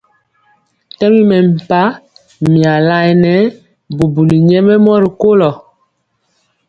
Tɛmi mɛmpah mia laɛnɛ bubuli nyɛmemɔ rikolo.